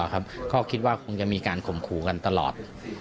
ก็คิดว่าคงจะมีการข่มขู่กันตลอด